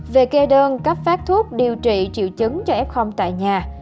về kê đơn cấp phát thuốc điều trị triệu chứng cho f tại nhà